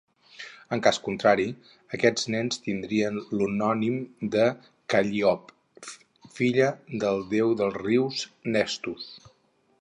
En cas contrari, aquests nens tindrien l'homònim de Calliope, filla del déu dels rius Nestus.